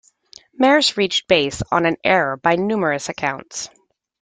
Maris reached base on an error by numerous accounts.